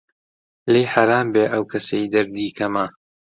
لێی حەرام بێ ئەو کەسەی دەردی کەمە